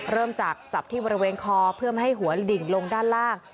เริ่มจากจับที่บริเวณคอเพื่อไม่ให้หัวดิ่งลงด้านล่าง